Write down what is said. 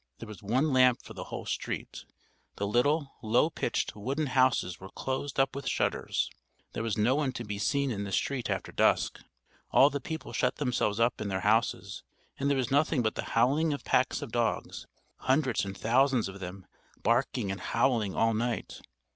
There was one lamp for the whole street, the little, low pitched, wooden houses were closed up with shutters, there was no one to be seen in the street after dusk, all the people shut themselves up in their houses, and there was nothing but the howling of packs of dogs, hundreds and thousands of them barking and howling all night.